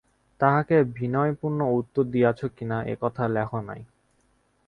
তাঁহাকে বিনয়পূর্ণ উত্তর দিয়াছ কিনা, এ-কথা লেখ নাই।